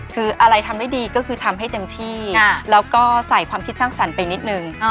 คืออะไรทำไม่ดีก็คือทำให้เต็มที่แล้วก็ใส่ความคิดสร้างสรรค์ไปนิดนึง